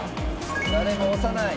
誰も押さない。